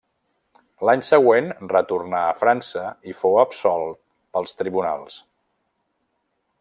L'any següent retornà a França i fou absolt pels tribunals.